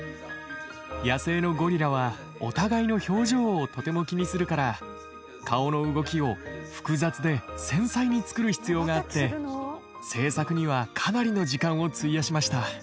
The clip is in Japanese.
野生のゴリラはお互いの表情をとても気にするから顔の動きを複雑で繊細に作る必要があって製作にはかなりの時間を費やしました。